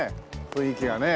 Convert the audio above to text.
雰囲気がね。